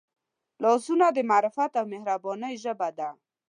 لاسونه د معرفت او مهربانۍ ژبه ده